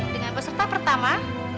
dengan peserta pertama